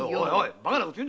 バカなこと言うな。